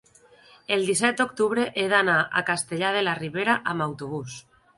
el disset d'octubre he d'anar a Castellar de la Ribera amb autobús.